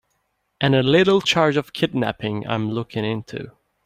And a little charge of kidnapping I'm looking into.